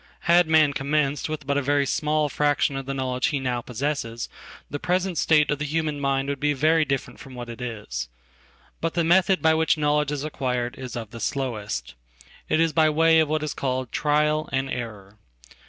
Had man commenced with but a very smallfraction of the knowledge he now possesses, the present state ofthe human mind would be very different from what it is. But themethod by which knowledge is acquired is of the slowest. It is byway of what is called trial and error.